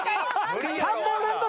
３本連続！